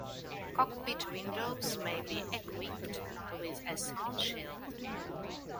Cockpit windows may be equipped with a sun shield.